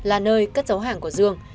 là nơi cất giấu hàng của dương